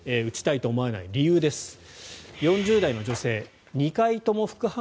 打ちたいと思わない理由です。